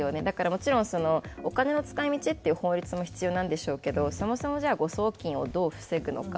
もちろんお金の使い道という法律も必要なんですけれどもそもそも誤送金をどう防ぐのか。